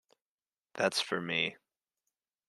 That's for me.